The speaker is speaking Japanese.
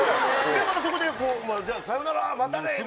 またそこで「じゃあさようならまたね」みたいな。